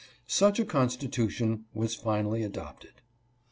Such a constitution was finally adopted.